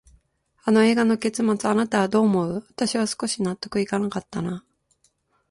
あの映画の結末、あなたはどう思う？私は少し納得いかなかったな。